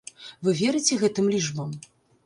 Вы верыце гэтым лічбам?